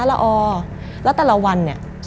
แล้วแต่ละวันเนี่ย